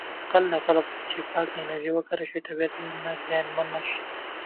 کله نا کله چې پاکه انرژي وکارول شي، طبیعت به زیانمن نه شي.